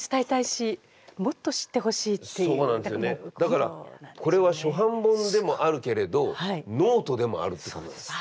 だからこれは初版本でもあるけれどノートでもあるってことです。